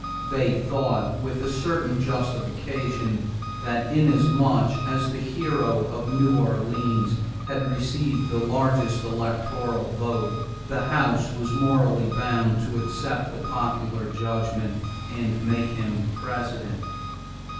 They thought, with a certain justification, that inasmuch as the hero of New Orleans had received the largest electoral vote, the House was morally bound to accept the popular judgment and make him President.